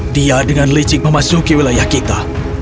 dia dengan licik memasuki wilayah kita